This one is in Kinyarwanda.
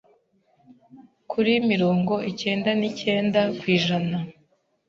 kuri mirongo icyenda n’icyenda kw’ijana